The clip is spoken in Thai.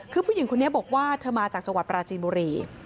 คือผู้หญิงคนนี้บอกว่าเธอมาจากจังหวัดปราจีนบุรี